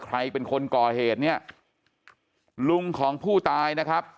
ใครเป็นคนก่อเหตุเนี้ย